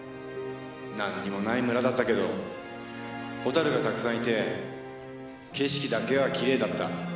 何にもない村だったけどホタルがたくさんいて景色だけはきれいだった。